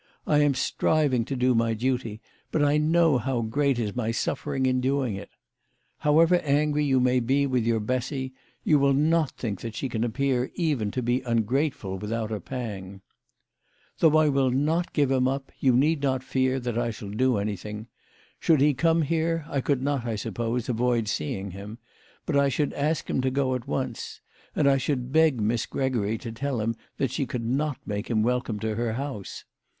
I am striving to do my duty, but I know how great is my suffering in doing it. However angry you may be with your Bessy, you will not think that she can appear even to be un grateful without a pang. " Though I will not give him up, you need not fear that I shall do anything. Should he come here I could not, I suppose, avoid seeing him, but I should ask him to go at once ; and I should beg Miss Gregory to tell him that she could not make him welcome to her house.